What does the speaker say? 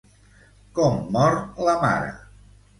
Com mor la mare?